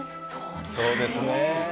そうですね。